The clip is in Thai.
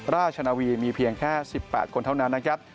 ราชนาวีมีเพียงแค่๑๘คนเท่านั้นนะครับ